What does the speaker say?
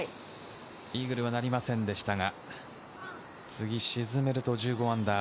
イーグルはなりませんでしたが、次、沈めると、−１５。